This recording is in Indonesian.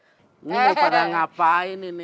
ini mau para ngapain ini